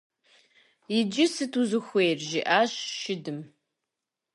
- Иджы сыт узыхуейр? - жиӏащ шыдым.